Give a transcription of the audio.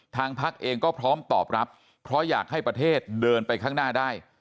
พักเองก็พร้อมตอบรับเพราะอยากให้ประเทศเดินไปข้างหน้าได้